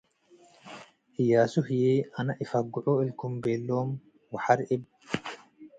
እያሱ ህዬ አነ እፈግዖ እልኩም ቤ’ሎም ወሐር እብ